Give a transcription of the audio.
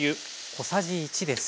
小さじ１です。